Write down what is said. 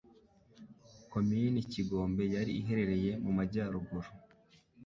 Komini Kigombe yari iherereye mu majyaruguru